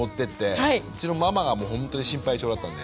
うちのママがもうほんとに心配性だったんで。